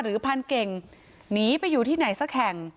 พรานเก่งหนีไปอยู่ที่ไหนสักแห่ง